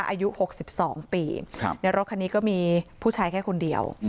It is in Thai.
อายุหกสิบสองปีครับในรถคันนี้ก็มีผู้ชายแค่คนเดียว